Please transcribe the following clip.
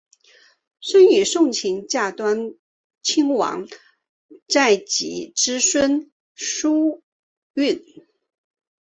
孙女诵琴嫁端亲王载漪之孙毓运。